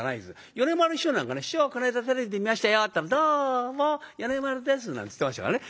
米丸師匠なんかね「師匠この間テレビで見ましたよ」って言ったら「どうも米丸です」なんて言ってましたからね。